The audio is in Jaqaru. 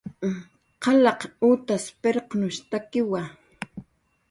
Qalaq utas pirqnushtakiwa